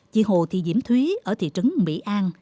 chị hồ thị diễm thúy ở thị trấn mỹ an